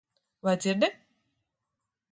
Vai dzirdi?